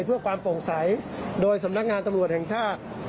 เพื่อความโปร่งใสโดยสำนักงานตำรวจแห่งชาติ